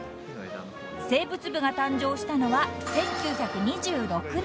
［生物部が誕生したのは１９２６年］